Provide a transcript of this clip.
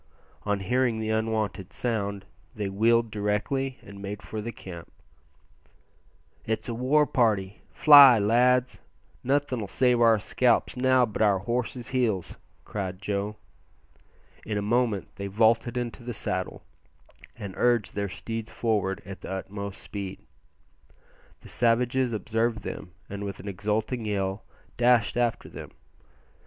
On hearing the unwonted sound they wheeled directly and made for the camp. "It's a war party; fly, lads! nothin' 'll save our scalps now but our horses' heels," cried Joe. In a moment they vaulted into the saddle and urged their steeds forward at the utmost speed. The savages observed them, and with an exulting yell dashed after them.